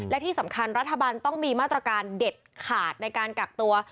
และที่สำคัญรัฐบาลต้องมีมาตรการเด็ดขาดในการกักตัว